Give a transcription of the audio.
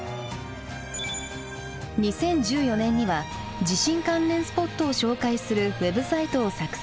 ２０１４年には地震関連スポットを紹介するウェブサイトを作成。